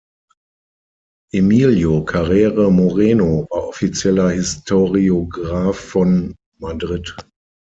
Emilio Carrere Moreno war offizieller Historiograph von Madrid.